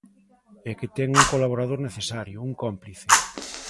E que ten un colaborador necesario, un cómplice.